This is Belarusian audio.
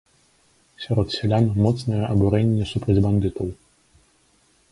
Сярод сялян моцнае абурэнне супраць бандытаў.